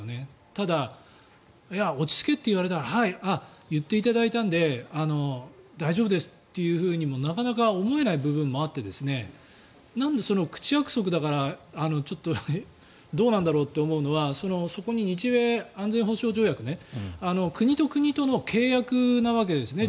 ただ、落ち着けと言われてはい、言っていただいたので大丈夫ですってなかなか思えない部分もあって口約束だからどうなんだろうと思うのはそこに日米安全保障条約国と国との契約なわけですね。